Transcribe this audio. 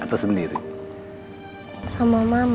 kita sember sekarang kan